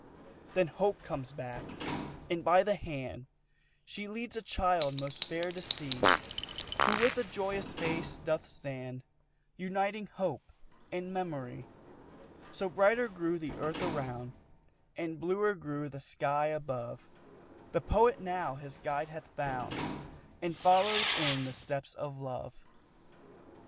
Then Hope comes back, and by the hand She leads a child most fair to see, Who with a joyous face doth stand Uniting Hope and Memory. So brighter grew the Earth around, And bluer grew the sky above; The Poet now his guide hath found, And follows in the steps of Love.